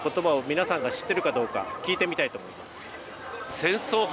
皆さんが知ってるかどうか聞いてみたいと思います